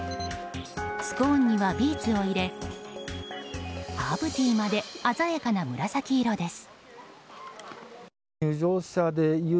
スコーンにはビーツを入れハーブティーまで鮮やかな紫色です。